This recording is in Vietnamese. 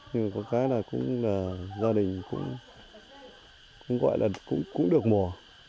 nhưng mà có cái là cũng là gia đình cũng gọi là cũng được mùa